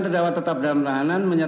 terdapat tetap dalam lahanan